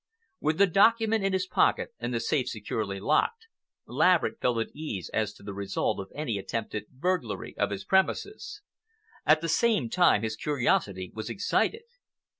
With the document in his pocket and the safe securely locked, Laverick felt at ease as to the result of any attempted burglary of his premises. At the same time his curiosity was excited.